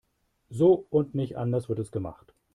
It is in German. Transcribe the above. So und nicht anders wird es gemacht.